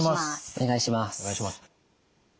お願いします。